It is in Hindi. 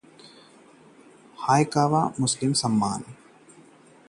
वे हायाकावा जी का सम्मान करते थे।